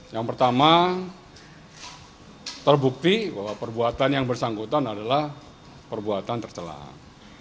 yang pertama terbukti bahwa perbuatan yang bersangkutan adalah perbuatan tercelah